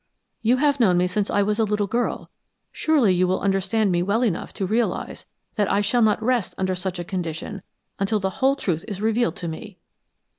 You have known me since I was a little girl surely you understand me well enough to realize that I shall not rest under such a condition until the whole truth is revealed to me!"